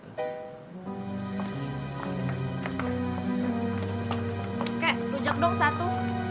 keh rujak dong satu